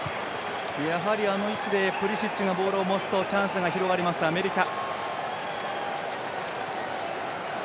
あの位置でプリシッチがボールを持つとチャンスが広がるアメリカ。